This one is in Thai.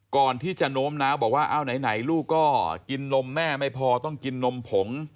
ก่อนที่จะโน้มน้าวบอกว่าเอาไหนลูกก็กินนมแม่ไม่พอต้องกินนมผง